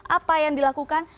apa yang dilakukan